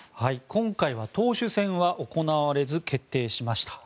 今回は党首選は行われず決定しました。